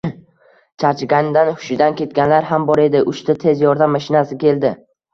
Charchaganidan hushidan ketganlar ham bor edi, uchta tez yordam mashinasi keldi